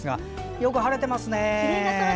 よく晴れていますね。